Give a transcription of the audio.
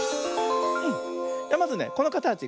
まずねこのかたち